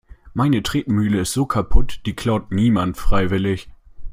Meine Tretmühle ist so kaputt, die klaut niemand freiwillig.